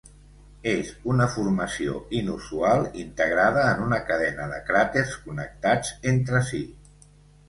És una formació inusual, integrada en una cadena de cràters connectats entre si.